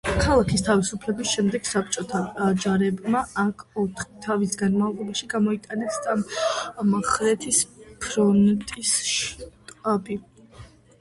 ქალაქის გათავისუფლების შემდეგ საბჭოთა ჯარებმა აქ ოთხი თვის განმავლობაში გადმოიტანეს სამხრეთის ფრონტის შტაბი.